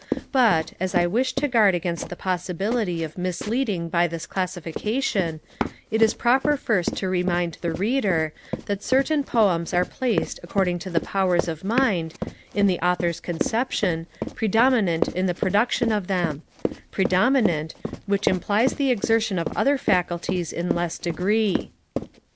But, as I wish to guard against the possibility of misleading by this classification, it is proper first to remind the Reader, that certain poems are placed according to the powers of mind, in the Author's conception, predominant in the production of them; predominant, which implies the exertion of other faculties in less degree.